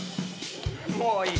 もういい。